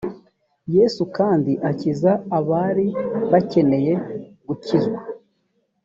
yesu kandi akiza abari bakeneye gukizwa